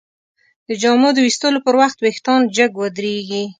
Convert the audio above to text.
د جامو د ویستلو پر وخت وېښتان جګ ودریږي.